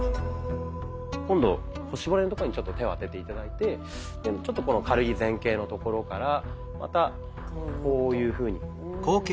今度腰骨のところにちょっと手を当てて頂いてちょっとこの軽い前傾のところからまたこういうふうに。